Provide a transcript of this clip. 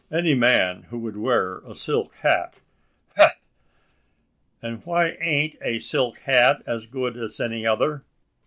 Any man who would wear a silk hat! Wagh!" "An' why ain't a silk hat as good's any other?"